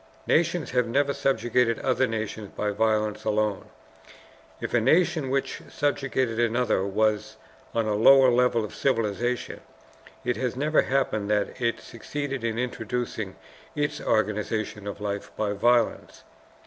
Nations have never subjugated other nations by violence alone. If a nation which subjugated another was on a lower level of civilization, it has never happened that it succeeded in introducing its organization of life by violence.